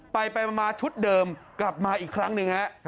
ไปมาชุดเดิมกลับมาอีกครั้งหนึ่งฮะ